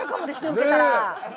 ウケたら。